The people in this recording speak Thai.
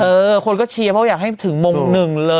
คนก็เชียร์เพราะอยากให้ถึงมงหนึ่งเลย